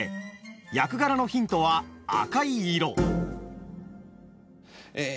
役柄のヒントは赤い色。